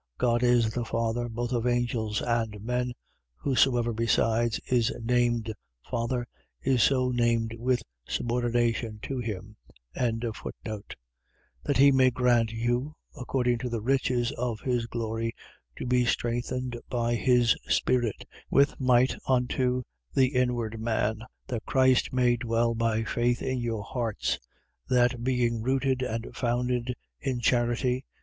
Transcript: God is the Father, both of angels and men; whosoever besides is named father, is so named with subordination to him. 3:16. That he would grant you, according to the riches of his glory, to be strengthened by his Spirit with might unto the inward man: 3:17. That Christ may dwell by faith in your hearts: that, being rooted and founded in charity, 3:18.